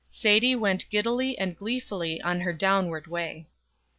Sadie went giddily and gleefully on her downward way.